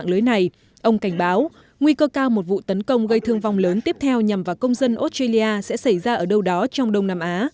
ông cảnh báo nguy cơ cao một vụ tấn công gây thương vong lớn tiếp theo nhằm vào công dân australia sẽ xảy ra ở đâu đó trong đông nam á